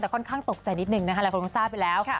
แต่ค่อนข้างตกใจนิดนึงนะคะหลายคนคงทราบไปแล้ว